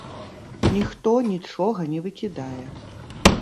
Ніхто нічога не выкідае!